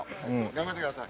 頑張ってください。